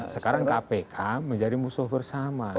sekarang kpk menjadi musuh bersama